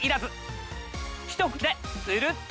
ひと拭きでスルっと。